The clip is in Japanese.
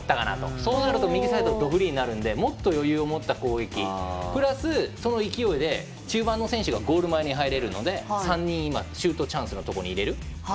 そうすると右サイドがどフリーになるのでもっと余裕を持った攻撃プラスその勢いで中盤の選手がゴール前に入れるので３人シュートチャンスのところにいれる。